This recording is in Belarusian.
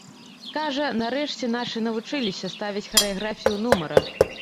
Кажа, нарэшце нашы навучыліся ставіць харэаграфію нумара.